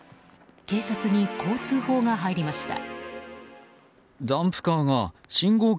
警察にこう通報が入りました。